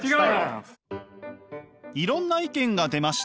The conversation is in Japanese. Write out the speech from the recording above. いろんな意見が出ました。